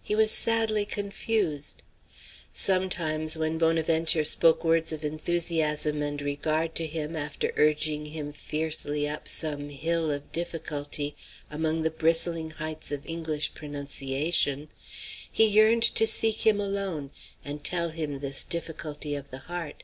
He was sadly confused. Sometimes when Bonaventure spoke words of enthusiasm and regard to him after urging him fiercely up some hill of difficulty among the bristling heights of English pronunciation, he yearned to seek him alone and tell him this difficulty of the heart.